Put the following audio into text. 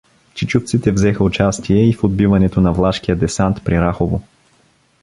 Чичовците взеха участие и в отбиването на влашкия десант при Рахово.